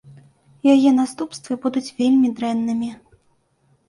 Яе наступствы будуць вельмі дрэннымі.